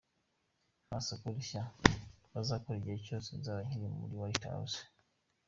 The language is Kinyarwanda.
Nta soko rishya bazakora igihe cyose nzaba nkiri muri White House.